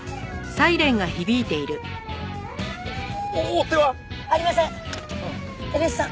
追っ手は？ありません。